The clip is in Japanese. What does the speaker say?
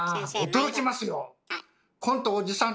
驚きますよ！